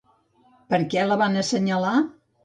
Per què la van assenyalar?